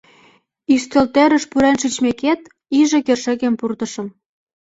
Ӱстелтӧрыш пурен шичмекет иже кӧршӧкем пуртышым.